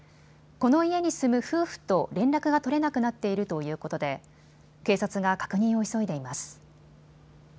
この家に住む夫婦と連絡が取れなくなっているということで警察が確認を急いでいます。